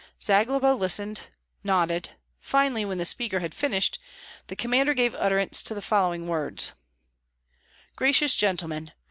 Zagloba listened, nodded; finally, when the speaker had finished, the commander gave utterance to the following words, "Gracious gentlemen!